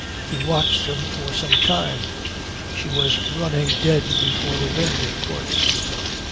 He watched them for some time. She was running dead before the wind of course.